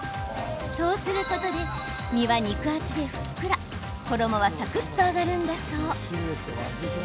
そうすることで身は肉厚でふっくら衣はサクっと揚がるんだそう。